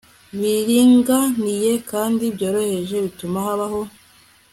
biringaniye kandi byoroheje bituma habaho